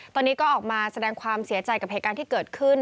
ตอนนี้ก็ออกมาแสดงความเสียใจกับเหตุการณ์ที่เกิดขึ้น